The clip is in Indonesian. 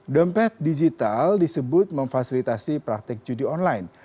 dompet digital disebut memfasilitasi praktik judi online